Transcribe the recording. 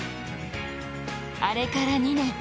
あれから２年。